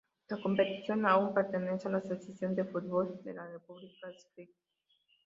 La competición aún pertenece a la Asociación de Fútbol de la República Srpska.